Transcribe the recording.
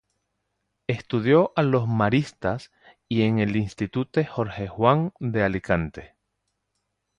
Estudió a los Maristas y en el Instituto Jorge Juan de Alicante.